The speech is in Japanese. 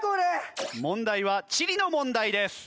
問題は地理の問題です。